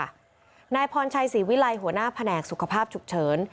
นายพรชัยศรีวิลัยหัวหน้าแผนกสุขภาพฉุกเฉิน